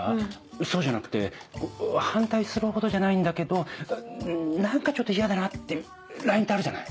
そうじゃなくて反対するほどじゃないんだけど何かちょっと嫌だなっていうラインってあるじゃない。